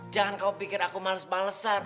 jangan kamu pikir aku males malesan